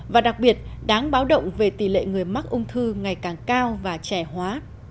và đặc biệt đáng báo động về tỷ lệ người mắc ung thư ngày càng cao và trẻ hóa